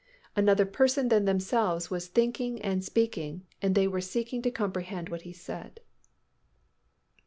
Another Person than themselves was thinking and speaking and they were seeking to comprehend what He said.